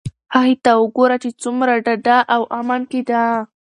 هغې ته وگوره چې څومره ډاډه او په امن کې ده.